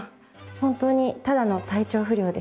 本当にただの体調不良で。